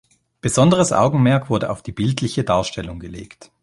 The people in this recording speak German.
Besonderes Augenmerk wurde auf die bildliche Darstellung gelegt.